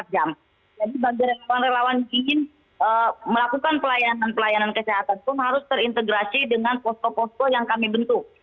bagi relawan relawan yang ingin melakukan pelayanan pelayanan kesehatan pun harus terintegrasi dengan posko posko yang kami bentuk